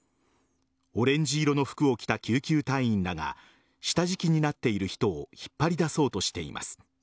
オレンジ色の服を着た救急隊員らが下敷きになっている人を引っ張り出そうとしています。